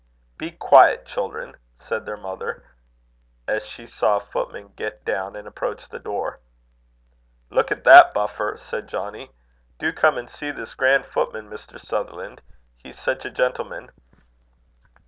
"Be quiet, children," said their mother, as she saw a footman get down and approach the door. "Look at that buffer," said Johnnie. "Do come and see this grand footman, Mr. Sutherland. He's such a gentleman!"